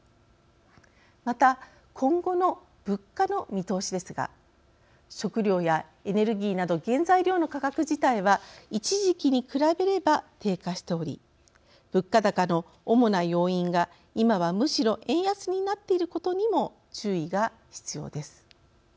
また今後の物価の見通しですが食料やエネルギーなど原材料の価格自体は一時期に比べれば低下しており物価高の主な要因が今はむしろ円安になっていることにも注意が必要です。